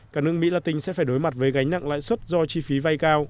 các nước mỹ latin sẽ phải đối mặt với gánh nặng lãi suất do chi phí vai cao